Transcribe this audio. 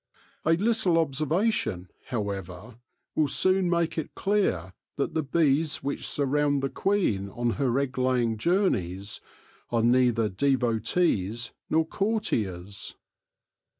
A little observation, however, will soon make it clear that the bees which surround the queen on her egg laying journeys are neither devotees nor courtiers.